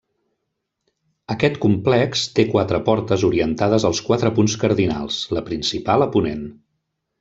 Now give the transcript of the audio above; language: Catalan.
Aquest complex té quatre portes orientades als quatre punts cardinals, la principal a ponent.